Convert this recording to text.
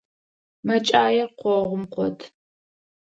Мэкӏаир къогъум къот.